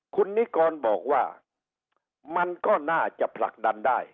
คุณนิกรบอกว่ามันก็น่าจะผลักดันได้